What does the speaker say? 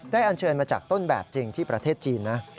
อันเชิญมาจากต้นแบบจริงที่ประเทศจีนนะ